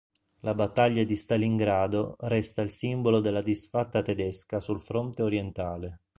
La battaglia di Stalingrado resta il simbolo della disfatta tedesca sul fronte orientale.